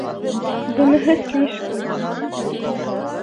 Быныһы слишком!